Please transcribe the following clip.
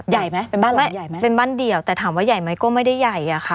ใหญ่ไหมเป็นบ้านหลังใหญ่ไหมเป็นบ้านเดี่ยวแต่ถามว่าใหญ่ไหมก็ไม่ได้ใหญ่อะค่ะ